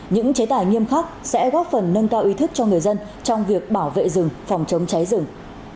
những chế tài nghiêm khắc sẽ góp phần nâng cao ý thức cho người dân trong việc bảo vệ rừng phòng chống cháy rừng